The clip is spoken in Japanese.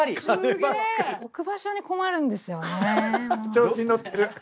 調子に乗ってる！